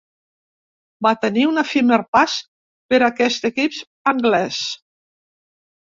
Va tenir un efímer pas per aquest equip anglès.